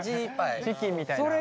チキンみたいな。